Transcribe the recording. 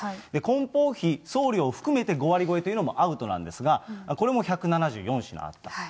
梱包費、送料含めて５割超えというのもアウトなんですが、これも１７４品あった。